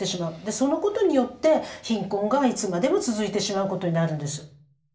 そのことによって貧困がいつまでも続いてしまうことになるんです。